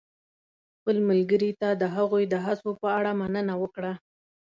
خپل ملګري ته د هغوی د هڅو په اړه مننه وکړه.